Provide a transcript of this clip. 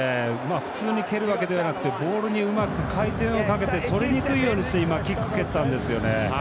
普通に蹴るわけではなくてボールにうまく回転をかけてとりにくいようにして今、キック蹴ったんですよね。